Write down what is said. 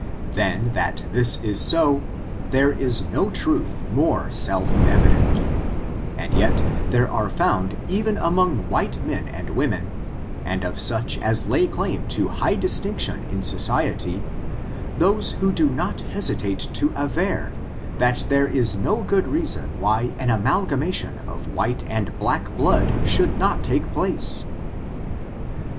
Than that this is soj there is no truth more self evident, and yet there are found even among white men and women, and of such as lay claim to high distinction in society, those who do not hesitate to aver, that there is no good reason why an amalgamation of white and black blood should not take place.